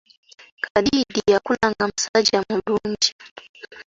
Kadiidi yakula nga musajja mulungi.